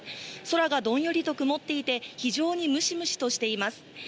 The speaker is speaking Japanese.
空がどんよりと曇っていて、非常にムシムシとしています。